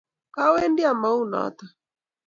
Kawendi amuoe notok